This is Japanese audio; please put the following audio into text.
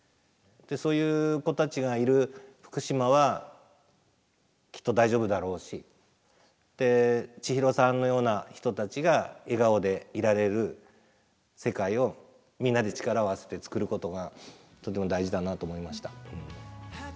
でそういう子たちがいる福島はきっと大丈夫だろうしで千尋さんのような人たちが笑顔でいられる世界をみんなで力を合わせてつくることがとても大事だなと思いました。